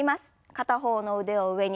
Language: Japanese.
片方の腕を上に。